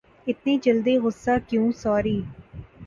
اتنی جلدی غصہ کیوں سوری